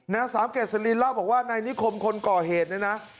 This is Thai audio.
นางสาวเกษลินเล่าบอกว่านายนิคมคนก่อเหตุเนี่ยนะ